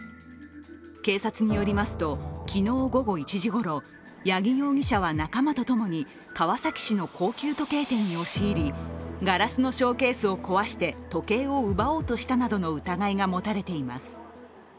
警察によりますと昨日午後１時ごろ、八木容疑者は仲間とともに川崎市の高級時計店に押し入りガラスのショーケースを壊して時計を奪おうとしたなどの疑いが持たれています。